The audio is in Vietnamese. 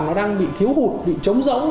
nó đang bị thiếu hụt bị trống rỗng